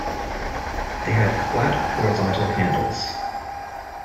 They had flat, horizontal handles.